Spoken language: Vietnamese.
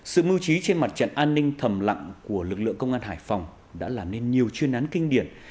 sự mưu trí trên mặt trận an ninh thầm lặng của lực lượng công an hải phòng đã làm nên nhiều chuyên án kinh điển